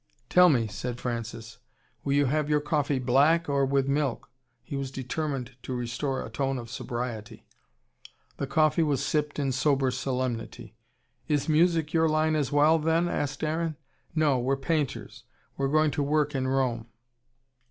"Tell me," said Francis, "will you have your coffee black, or with milk?" He was determined to restore a tone of sobriety. The coffee was sipped in sober solemnity. "Is music your line as well, then?" asked Aaron. "No, we're painters. We're going to work in Rome."